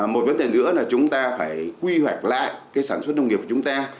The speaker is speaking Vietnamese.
một vấn đề nữa là chúng ta phải quy hoạch lại sản xuất nông nghiệp của chúng ta